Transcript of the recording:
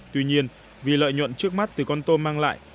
tuy nhiên vì lợi nhuận trước mắt từ con tôm mang lại